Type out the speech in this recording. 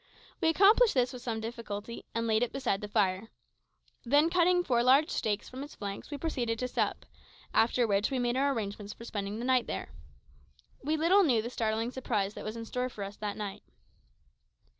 We accomplished this with some difficulty, and laid it beside the fire. Then cutting four large steaks from its flanks we proceeded to sup, after which we made our arrangements for spending the night there. We little knew the startling surprise that was in store for us that night.